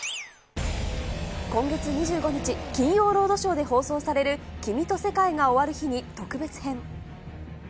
今月２５日、金曜ロードショーで放送される、君と世界が終わる日に特別編。